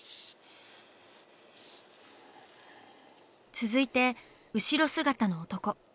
続いて後ろ姿の男。